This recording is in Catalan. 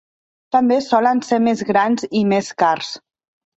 També solen ser més grans i més cars.